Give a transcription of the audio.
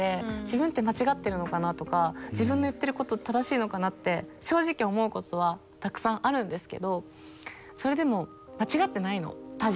自分って間違ってるのかなとか自分の言ってること正しいのかなって正直思うことはたくさんあるんですけどそれでも間違ってないの多分。